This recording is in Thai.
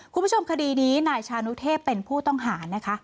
คุณผู้ชมคดีนี้นายชานุเทพเป็นผู้ต้องหานะคะ